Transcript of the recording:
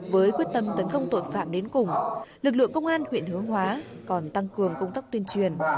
với quyết tâm tấn công tội phạm đến cùng lực lượng công an huyện hướng hóa còn tăng cường công tác tuyên truyền